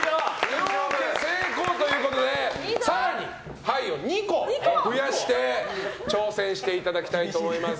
両家成功ということで更に牌を１個増やして挑戦していただこうと思います。